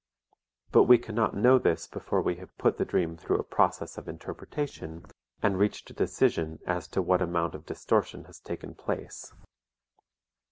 But we cannot know this before we have put the dream through a process of interpretation and reached a decision as to what amount of distortion has taken place.